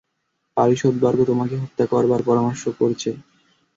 পারিষদবর্গ তোমাকে হত্যা করবার পরামর্শ করছে!